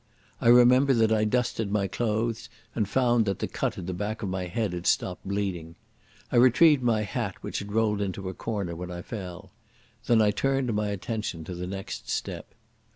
I remember that I dusted my clothes, and found that the cut in the back of my head had stopped bleeding. I retrieved my hat, which had rolled into a corner when I fell.... Then I turned my attention to the next step.